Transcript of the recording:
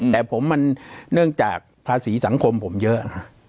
แต่ผมมันเนื่องจากภาษีสังคมผมเยอะ